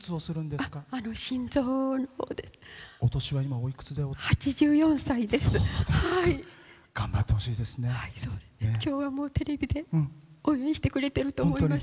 きょうはもうテレビで応援してくれてると思います。